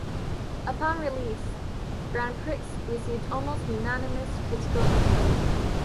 Upon release, "Grand Prix" received almost unanimous critical acclaim.